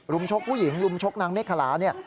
รุมชกผู้หญิงรุมชกนางเมฆาหลา